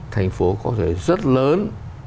thành phố có thể rất lớn